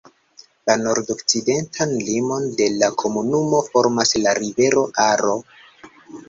La nordokcidentan limon de la komunumo formas la rivero Aro.